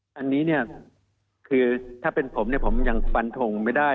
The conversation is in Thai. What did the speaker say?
อเจมส์อันนี้คือถ้าเป็นผมผมยังฟันทงไม่ได้